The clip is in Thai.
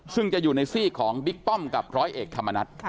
ซึ่งจะอยู่ในซีกของบิ๊กป้อมกับร้อยเอกธรรมนัฐ